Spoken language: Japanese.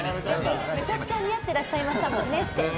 めちゃくちゃ似合っていらっしゃいましたもんねって。